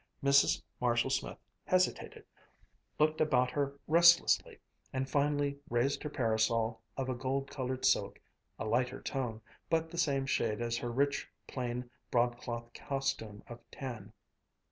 Mrs. Marshall Smith hesitated, looked about her restlessly, and finally raised her parasol, of a gold colored silk, a lighter tone, but the same shade as her rich plain broadcloth costume of tan.